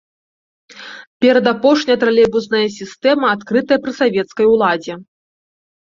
Перадапошняя тралейбусная сістэма, адкрытая пры савецкай уладзе.